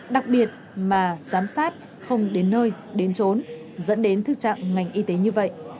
đặc biệt mà giám sát không đến nơi đến trốn dẫn đến thực trạng ngành y tế như vậy